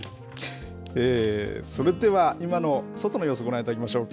それでは今の外の様子ご覧いただきましょう。